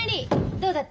どうだった？